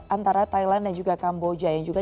antara thailand dan juga kamboja yang juga